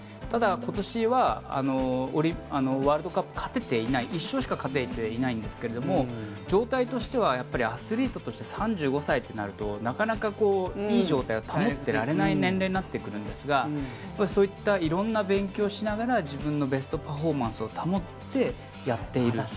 ただ、今年はワールドカップ１勝しか勝てていないんですけど状態としてはアスリートとして３５歳となるとなかなかいい状態を保ってられない年齢になってくるんですがそういった色んな勉強をしながら自分のベストパフォーマンスを保ってやっている。